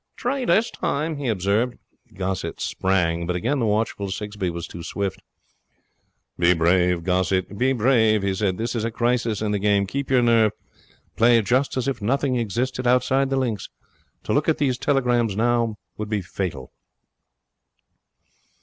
'T'ree dis time!' he observed. Gossett sprang, but again the watchful Sigsbee was too swift. 'Be brave, Gossett be brave,' he said. 'This is a crisis in the game. Keep your nerve. Play just as if nothing existed outside the links. To look at these telegrams now would be fatal.'